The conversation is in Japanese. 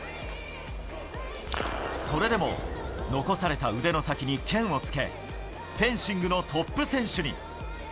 それでも残された腕の先に剣を付け、フェンシングのトップ選手に。